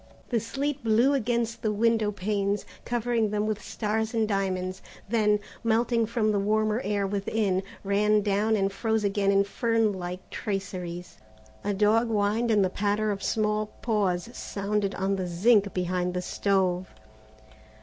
The sleet blew against the window panes, covering them with stars and diamonds, then, melting from the warmer air within, ran down and froze again in fern like traceries. A dog whined and the patter of small paws sounded on the zinc behind the stove.